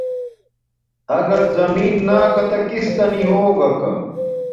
اگر زمین نا کاتہ کس تا نی ہوگاکا